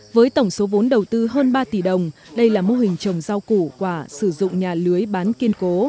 với tổng số vốn đầu tư hơn ba tỷ đồng đây là mô hình trồng rau củ quả sử dụng nhà lưới bán kiên cố